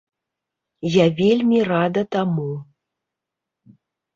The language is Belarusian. Я вельмі рада таму.